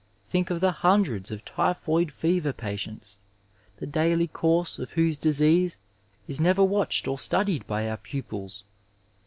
Think of the hundreds of typhoid fever patients, the daily course of whose disease is never watched or studied by our pupils